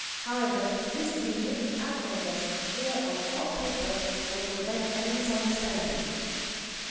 However, this being written at my desk here on the shop paper will prevent any misunderstanding."